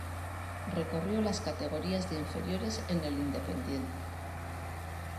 Recorrió las categorías de inferiores en el Independiente.